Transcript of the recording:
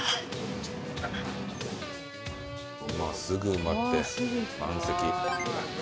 すぐ埋まって満席。